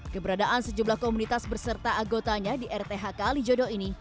keberadaan sejumlah komunitas berserta agotanya di rth kalijodo ini